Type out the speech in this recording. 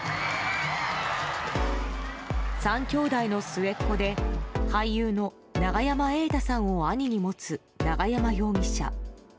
３兄弟の末っ子で俳優の永山瑛太さんを兄に持つ永山容疑者。